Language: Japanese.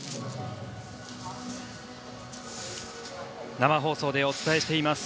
生放送でお伝えしています